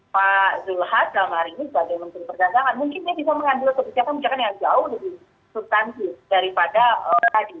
pak zulhadzal hari ini sebagai menteri perdagangan mungkin dia bisa mengambil kebijakan yang jauh lebih subtansi daripada tadi